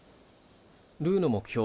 ルーの目標